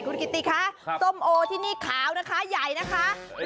คุณกิติคะส้มโอที่นี่ขาวนะคะใหญ่นะคะ